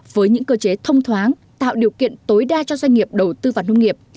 với những cơ chế thông thoáng tạo điều kiện tối đa cho doanh nghiệp đầu tư vào nông nghiệp